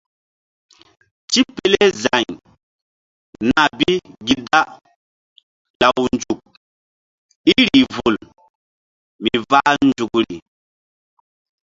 Tipele za̧y nah bi gi da law nzuk í rih vul mi vah nzukri.